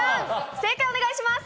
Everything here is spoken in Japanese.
正解をお願いします。